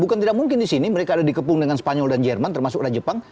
bukan tidak mungkin di sini mereka ada dikepung dengan spanyol dan jerman termasuk ada jepang